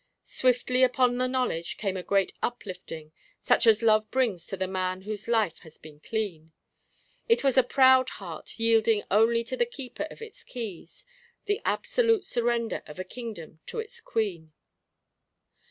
Swiftly upon the knowledge came a great uplifting, such as Love brings to the man whose life has been clean. It was a proud heart yielding only to the keeper of its keys the absolute surrender of a kingdom to its queen.